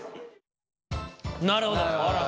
なるほど。